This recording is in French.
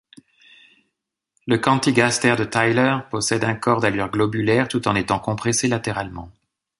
Le canthigaster de Tyler possède un corps d'allure globulaire tout en étant compressé latéralement.